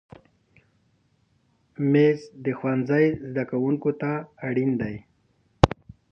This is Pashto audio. مېز د ښوونځي زده کوونکي ته اړین دی.